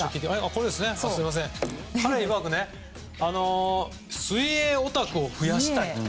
彼いわく水泳オタクを増やしたいと。